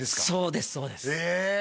そうです